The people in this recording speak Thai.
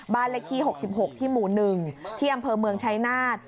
บ้านเลขที่๖๖ที่หมู่๑ที่อำเภอเมืองชายนาฏ